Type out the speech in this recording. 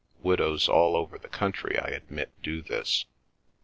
Widows all over the country I admit do this.